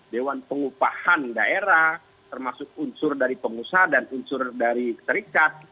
dewan pengupahan daerah termasuk unsur dari pengusaha dan unsur dari serikat